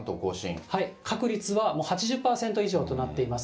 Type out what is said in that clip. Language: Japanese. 確率はもう８０％以上となっています。